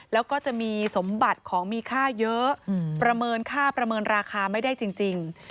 แล้วก็จะมีสมบัติของมีค่าเยอะประเมินค่าประเมินราคาไม่ได้จริง